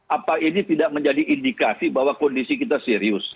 apa ini tidak menjadi indikasi bahwa kondisi kita serius